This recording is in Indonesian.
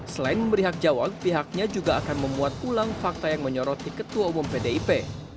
selain memberi hak jawab pihaknya juga akan memuat ulang fakta yang menyoroti ketua umum pdip